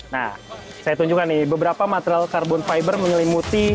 nah saya tunjukkan nih beberapa material carbon fiber menyelimuti